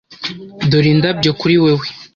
Dore indabyo kuri wewe